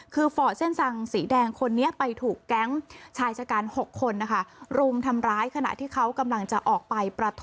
คือฟอร์ตเส้นทางสีแดงคนนี้ไปถูกแก๊งชายจัดการ๖คนนะคะ